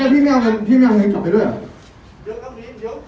ตาอีกข้างหนึ่งเนี่ยให้เห็นว่าสถาบันธุรกษัตริย์เนี่ย